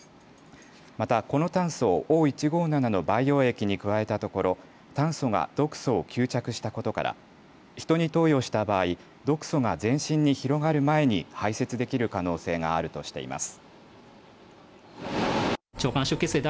また、この炭素をＯ１５７の培養液に加えたところ炭素が毒素を吸着したことから人に投与した場合毒素が全身に広がる前に排せつできる可能性があるとしています。